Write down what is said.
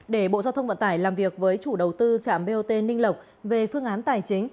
để bộ giao thông vận tải làm việc với chủ đầu tư trạm bot ninh lộc về phương án tài chính